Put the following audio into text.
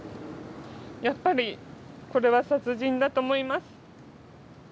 やっぱりこれは殺人だと思います。